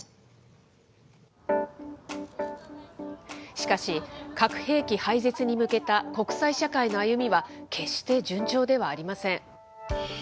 しかし、核兵器廃絶に向けた国際社会の歩みは、決して順調ではありません。